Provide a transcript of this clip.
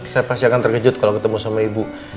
saya pasti akan terkejut kalau ketemu sama ibu